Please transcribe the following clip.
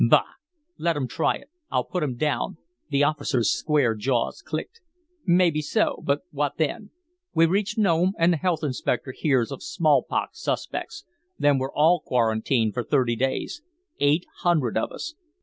"Bah! Let 'em try it. I'll put 'em down." The officer's square jaws clicked. "Maybe so; but what then? We reach Nome and the Health Inspector hears of small pox suspects, then we're all quarantined for thirty days; eight hundred of us.